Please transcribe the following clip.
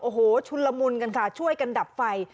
โอ้โหชุนละมุนกันค่ะช่วยกันดับไฟ